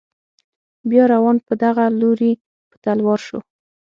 بیا روان په دغه لوري په تلوار شو.